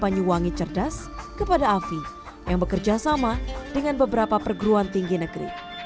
banyuwangi cerdas kepada afi yang bekerja sama dengan beberapa perguruan tinggi negeri